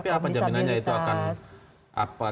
tapi apa jaminannya itu akan apa